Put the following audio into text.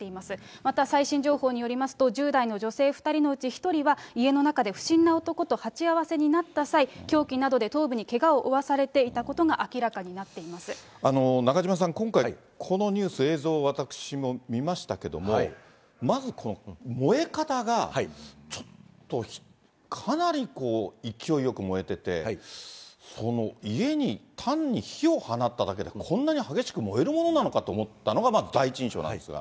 また、最新情報によりますと、１０代の女性２人のうち１人は、家の中で不審な男と鉢合わせになった際、凶器などで頭部にけがを負わされていたことが明らかになっていま中島さん、今回、このニュース、映像、私も見ましたけども、まず、この燃え方が、ちょっとかなりこう、勢いよく燃えてて、家に単に火を放っただけで、こんなに激しく燃えるものなのかと思ったのが、まず、第一印象なんですが。